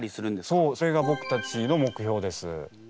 そうそれがぼくたちの目標です。